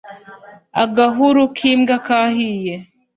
agahuru k'imbwa kahiye